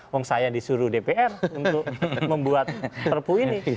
wong saya disuruh dpr untuk membuat perpu ini